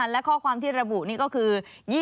และข้อความที่ระบุนี่ก็คือ